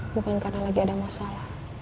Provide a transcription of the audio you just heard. bukan karena lagi ada masalah